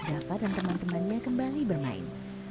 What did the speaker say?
setelah berhasil ditenangkan dava dan teman temannya kembali bermain